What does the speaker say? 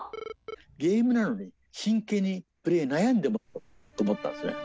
ゲームなので、真剣にプレイヤーに悩んでもらおうと思ったんですね。